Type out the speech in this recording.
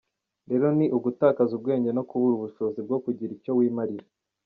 rero ni ugutakaza ubwenge no kubura ubushobozi bwo kugira icyo wimarira.